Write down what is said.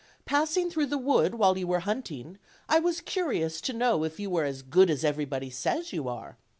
Passing through the wood while you were hunting, I was curious to know if you were as good as everybody says you are.